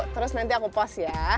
terus nanti aku post ya